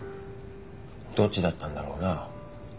どっちだったんだろうな。